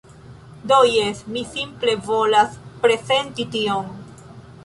Do jes, mi simple volas prezenti tion.